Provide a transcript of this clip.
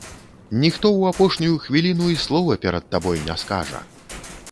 Ніхто ў апошнюю хвіліну і слова перад табой не скажа.